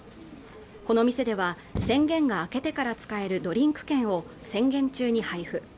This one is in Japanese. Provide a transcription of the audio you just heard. この店では宣言が明けてから使えるドリンク券を宣言中に配布